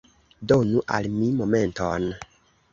Donu al mi momenton!